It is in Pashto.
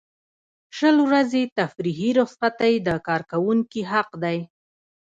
شل ورځې تفریحي رخصتۍ د کارکوونکي حق دی.